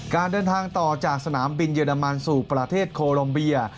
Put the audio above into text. การเดินทางต่อจากสนามบินเรมันสู่ประเทศโคลมเบีย